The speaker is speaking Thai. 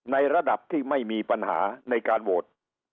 ในระดับที่ไม่มีปัญหาในการโหวต